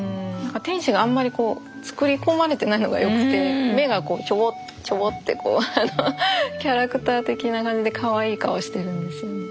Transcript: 天使があんまりこう作り込まれてないのがよくて目がこうちょぼっちょぼってこうキャラクター的な感じでカワイイ顔してるんですよね。